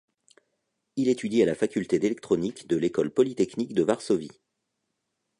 Il étudie à la faculté d'électronique de l'École polytechnique de Varsovie.